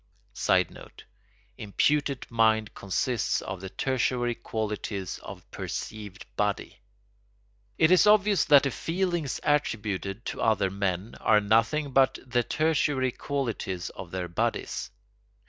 [Sidenote: Imputed mind consists of the tertiary qualities of perceived body.] It is obvious that the feelings attributed to other men are nothing but the tertiary qualities of their bodies.